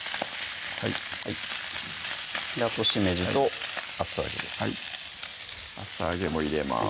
あとしめじと厚揚げです厚揚げも入れます